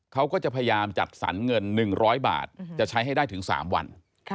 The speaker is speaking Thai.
เขาก็จะพยายามจัดสรรเงิน๑๐๐บาทจะใช้ให้ได้ถึง๓วัน